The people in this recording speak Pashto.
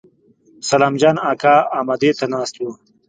سلام جان اکا امدې ته ناست و.